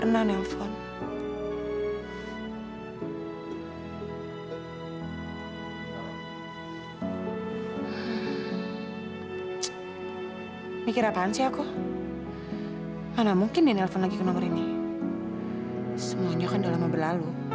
sampai jumpa di video selanjutnya